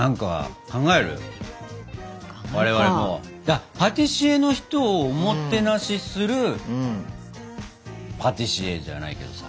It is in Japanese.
あっパティシエの人をおもてなしするパティシエじゃないけどさ。